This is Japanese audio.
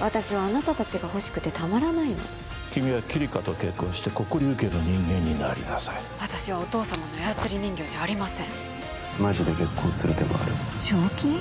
私はあなた達が欲しくてたまらないの君はキリカと結婚して黒龍家の人間になりなさい私はお父様の操り人形じゃありませんマジで結婚する手もある正気？